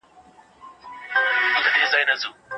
که چیرې خلک ډیر ومومي، نو به يې جوړ کړي.